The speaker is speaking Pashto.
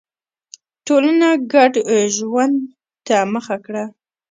ټولنو ګډ ژوند ته مخه کړه.